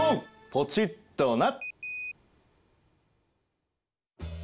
ポチッとな。